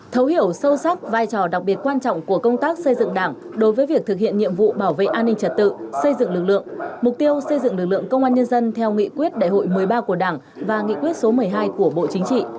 thấu hiểu sâu sắc vai trò đặc biệt quan trọng của công tác xây dựng đảng đối với việc thực hiện nhiệm vụ bảo vệ an ninh trật tự xây dựng lực lượng mục tiêu xây dựng lực lượng công an nhân dân theo nghị quyết đại hội một mươi ba của đảng và nghị quyết số một mươi hai của bộ chính trị